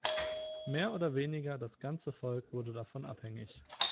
Mehr oder weniger das ganze Volk wurde davon abhängig.